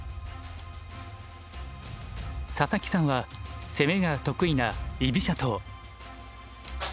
佐々木さんは攻めが得意な居飛車党。